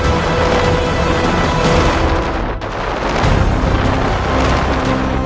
kau tidak bisa menang